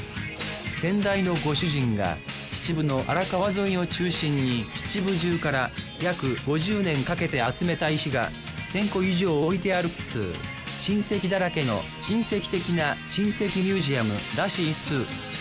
先代のご主人が秩父の荒川沿いを中心に秩父中から約５０年かけて集めた石が１，０００個以上置いてあるっつう珍石だらけの珍石的な珍石ミュージアムらしいっす。